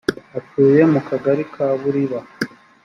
atuye mu kagari ka buriba.